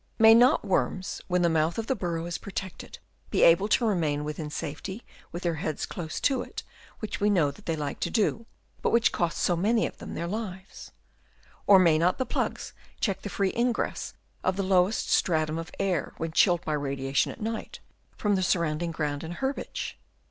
May not worms when the mouth of the burrow is protected be able to remain with safety with their heads close to it, which we know that they like to do, but which costs so many of them their lives ? Or may not the plugs check the free ingress of the lowest stratum of air, when chilled by radiation at night, from the sur rounding ground and herbage